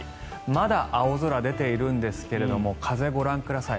まだ青空出ているんですが風、ご覧ください。